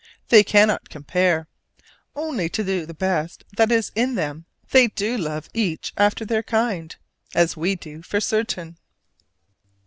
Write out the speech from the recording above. They cannot compare: only to the best that is in them they do love each after their kind, as do we for certain!